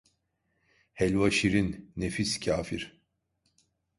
Helva şirin, nefis kafir.